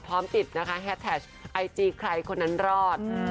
พร้อมติดนะคะแฮดแท็กไอจีใครคนนั้นรอด